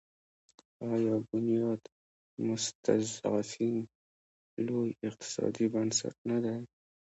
آیا بنیاد مستضعفین لوی اقتصادي بنسټ نه دی؟